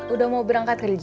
udah mau berangkat kerja